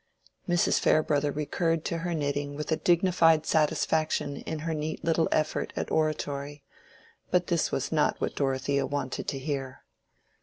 Mrs. Farebrother recurred to her knitting with a dignified satisfaction in her neat little effort at oratory, but this was not what Dorothea wanted to hear.